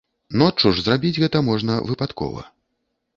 Ноччу ж зрабіць гэта можна выпадкова.